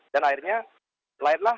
dan akhirnya lahirlah